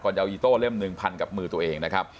จะเอาอีโต้เล่มหนึ่งพันกับมือตัวเองนะครับ